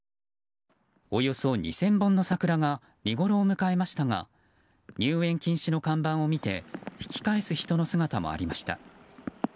およそ２０００本の桜が見ごろを迎えましたが入園禁止の看板を見て引き返す人の姿もありました。